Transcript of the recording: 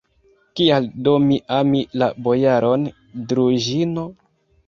Kial do ne ami la bojaron Druĵino?